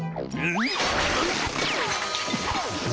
ん？